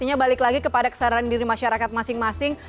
artinya balik lagi kepada kesadaran diri masyarakat masing masing